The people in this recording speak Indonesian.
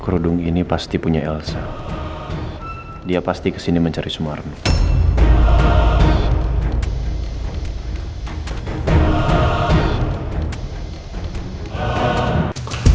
kru dungi ini pasti punya elsa dia pasti kesini mencari semua renungan